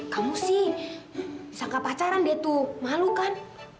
kamu sih sangka pacaran dia tuh malu kan